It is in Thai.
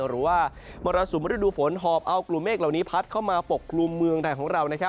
หรือว่ามรสุมฤดูฝนหอบเอากลุ่มเมฆเหล่านี้พัดเข้ามาปกกลุ่มเมืองไทยของเรา